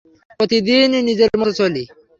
প্রতিদিনই নিজের মতো চলি।